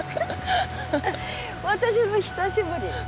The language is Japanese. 私も久しぶり。